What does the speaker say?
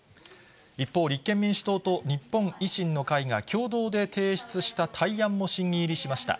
一方、立憲民主党と日本維新の会が共同で提出した対案も審議入りしました。